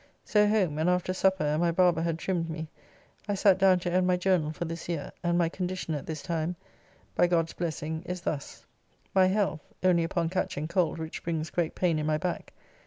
So home, and after supper, and my barber had trimmed me, I sat down to end my journell for this year, and my condition at this time, by God's blessing, is thus: my health (only upon catching cold, which brings great pain in my back...